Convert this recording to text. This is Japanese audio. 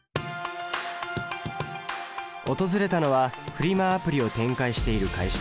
訪れたのはフリマアプリを展開している会社。